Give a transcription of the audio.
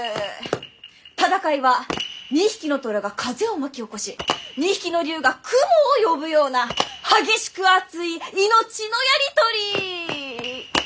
戦いは２匹の虎が風を巻き起こし２匹の竜が雲を呼ぶような激しく熱い命のやり取り！